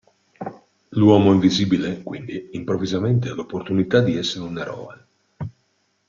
L'uomo invisibile quindi improvvisamente ha l'opportunità di essere un eroe.